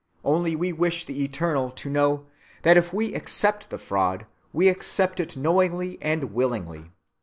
Only we wish the Eternal to know that if we accept the fraud, we accept it knowingly and willingly.